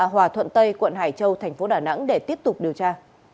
hòa thuận tây quận hải châu thành phố đà nẵng để tiếp tục điều tra